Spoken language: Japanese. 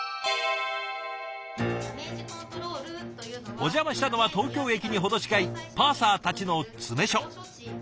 お邪魔したのは東京駅に程近いパーサーたちの詰め所。